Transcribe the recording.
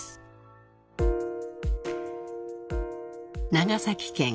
［長崎県